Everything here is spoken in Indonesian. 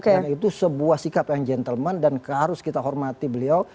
dan itu sebuah sikap yang gentleman dan harus kita hormati beliau